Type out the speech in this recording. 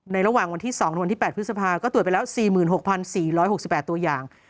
ระหว่างวันที่๒หรือวันที่๘พฤษภาก็ตรวจไปแล้ว๔๖๔๖๘ตัวอย่าง